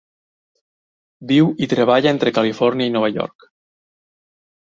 Viu i treballa entre Califòrnia i Nova York.